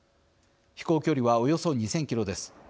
飛行距離はおよそ２０００キロです。